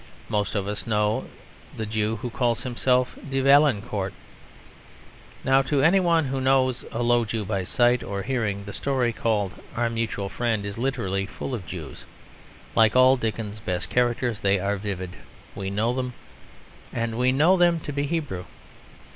Most of us know the Jew who calls himself De Valancourt. Now to any one who knows a low Jew by sight or hearing, the story called Our Mutual Friend is literally full of Jews. Like all Dickens's best characters they are vivid; we know them. And we know them to be Hebrew.